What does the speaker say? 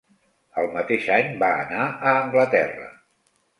El mateix any va anar a Anglaterra.